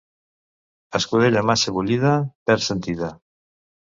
Escudella massa bullida perd sentida.